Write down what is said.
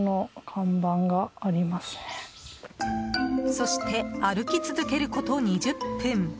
そして、歩き続けること２０分。